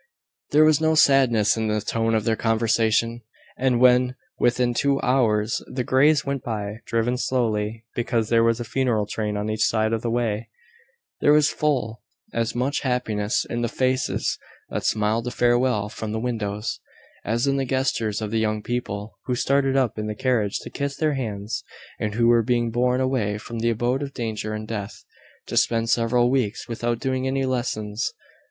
There was no sadness in the tone of their conversation; and when, within two hours, the Greys went by, driven slowly, because there was a funeral train on each side of the way, there was full as much happiness in the faces that smiled a farewell from the windows, as in the gestures of the young people, who started up in the carriage to kiss their hands, and who were being borne away from the abode of danger and death, to spend several weeks without doing any lessons.